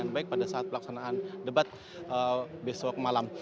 baik pada saat pelaksanaan debat besok malam